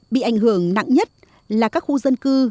bị ảnh hưởng nặng nhất là các khu dân cư